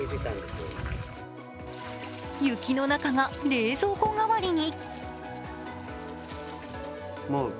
雪の中が冷蔵庫代わりに。